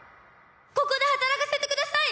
ここで働かせてください！